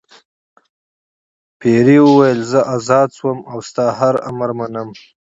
پیري وویل زه آزاد شوم او ستا هر امر منم.